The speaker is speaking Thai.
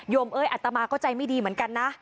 เอ้ยอัตมาก็ใจไม่ดีเหมือนกันนะ